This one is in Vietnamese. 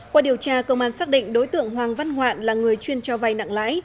qua điều tra công an xác định đối tượng hoàng văn hoạn là người chuyên cho vay nặng lãi